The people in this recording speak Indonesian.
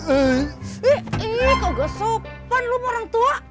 eh eh kok gesupan lu mau orang tua